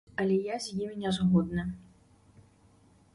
Але я з імі не згодны.